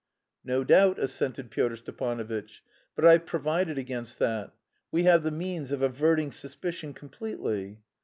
"No doubt," assented Pyotr Stepanovitch, "but I've provided against that. We have the means of averting suspicion completely."